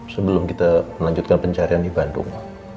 sebelum kita melanjutkan pencarian di bandung